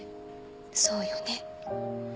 そうよね。